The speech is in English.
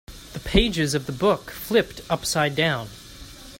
The pages of the book flipped upside down.